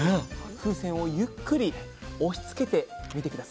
風船をゆっくり押しつけてみてください。